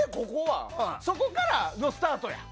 そこからのスタートや。